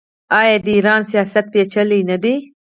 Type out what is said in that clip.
آیا د ایران سیاست پیچلی نه دی؟